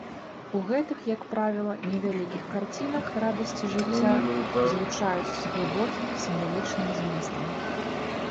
У гэтых, як правіла, невялікіх карцінах радасці жыцця злучаюцца з глыбокім сімвалічным зместам.